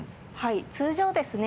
通常ですね